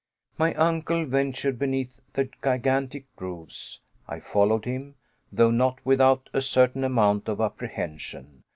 My uncle ventured beneath the gigantic groves. I followed him, though not without a certain amount of apprehension.